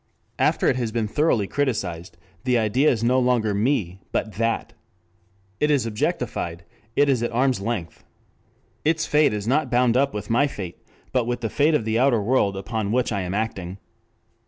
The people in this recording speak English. After it has been thoroughly criticized, the idea is no longer me but that. It is objectified, it is at arm's length. Its fate is not bound up with my fate, but with the fate of the outer world upon which I am acting.